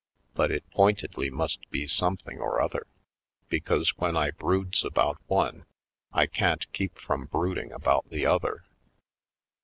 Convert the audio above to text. But it pointedly must be something or other, because when I broods about one I can't keep from brood ing about the other.